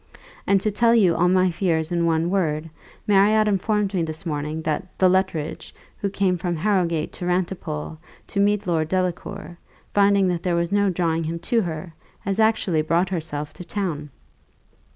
And to tell you all my fears in one word, Marriott informed me this morning, that the Luttridge, who came from Harrowgate to Rantipole, to meet Lord Delacour, finding that there was no drawing him to her, has actually brought herself to town.